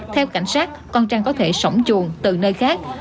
theo cảnh sát con trăn có thể sổng chuồn từ nơi khác